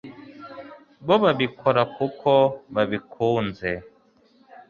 bo babikora kuko babikunze